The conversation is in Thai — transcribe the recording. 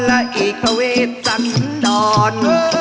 และอีกภาเวทสันดร